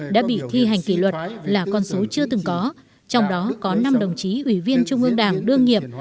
đã bị thi hành kỷ luật là con số chưa từng có trong đó có năm đồng chí ủy viên trung ương đảng đương nghiệp